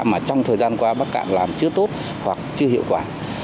mà trong thời gian qua bắc cạn làm chưa tốt hoặc chưa hiệu quả